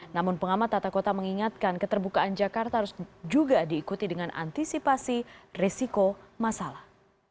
namun pengamat tata kota mengingatkan keterbukaan jakarta harus juga diikuti dengan antisipasi risiko masalah